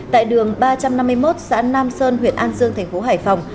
tại đường ba trăm năm mươi một xã nam sơn huyện an dương thành phố hải phòng